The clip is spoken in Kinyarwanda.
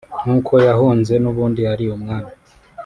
nk’uko yahunze n’ubundi ari umwami